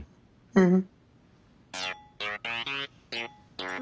うん。